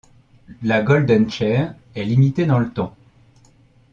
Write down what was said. La Golden share est limitée dans le temps.